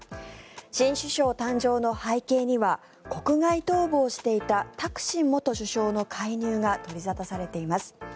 新首相誕生の背景には国外逃亡していたタクシン元首相の介入が取り沙汰されています。